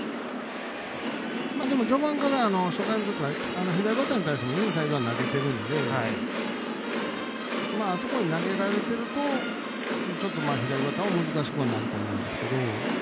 でも、序盤から初回左バッターに対してもインサイドは投げてるのであそこに投げられてるとちょっと左バッターは難しくはなると思うんですけど。